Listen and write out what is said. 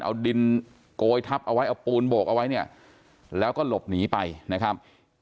เอาดินโกยทับเอาไว้เอาปูนโบกเอาไว้เนี่ยแล้วก็หลบหนีไปนะครับ